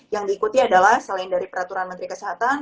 yang diikuti adalah selain dari peraturan menteri kesehatan